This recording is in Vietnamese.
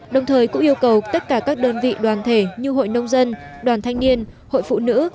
đồng thời cũng yêu cầu tất cả các đơn vị đoàn thể như hội nông dân đoàn thanh niên hội phụ nữ